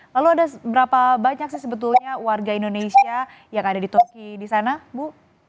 lalu ada berapa banyak sih sebetulnya warga indonesia yang ada di torki di sana bu